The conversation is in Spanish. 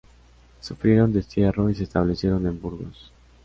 Sufrieron destierro y se establecieron en Burgos.